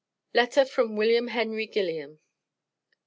LETTER FROM WILLIAM HENRY GILLIAM.